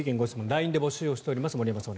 ＬＩＮＥで募集しております森山さん